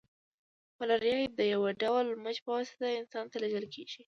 ملاریا د یو ډول مچ په واسطه انسان ته لیږدول کیږي